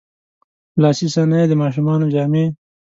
لاسي صنایع، د ماشومانو جامې.